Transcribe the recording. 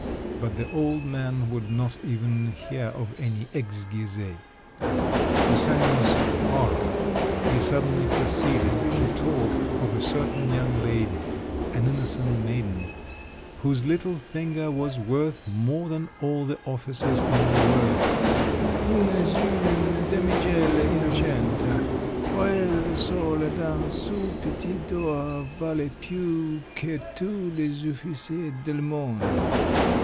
But the old man would not even hear of any exghizes! To Sanin's horror, he suddenly proceeded to talk of a certain young lady, an innocent maiden, whose little finger was worth more than all the officers in the world … (_oune zeune damigella innoucenta, qu'a elle sola dans soun péti doa vale piu que tout le zouffissié del mondo!